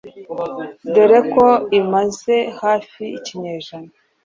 dore ko imaze hafi ikinyejana